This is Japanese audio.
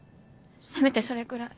せめてそれくらい。